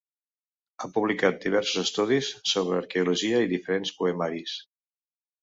Ha publicat diversos estudis sobre arqueologia i diferents poemaris.